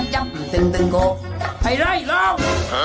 ไหลร่อง